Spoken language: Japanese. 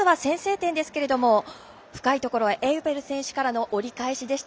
まずは先制点ですが、深いところエウベル選手からの折り返しでした。